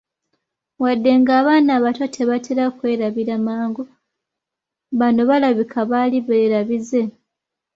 Wadde nga abaana abato tebatera kwerabira mangu, bano balabika baali beerabize.